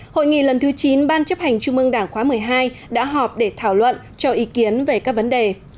hội nghị lần thứ chín ban chấp hành trung mương đảng khóa một mươi hai đã họp để thảo luận cho ý kiến về các vấn đề